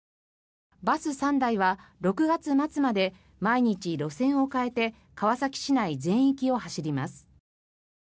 バス３台は６月末まで毎日路線を変えて川崎市内全域を走ります。